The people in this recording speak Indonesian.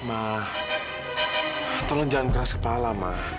ma tolong jangan keras kepala ma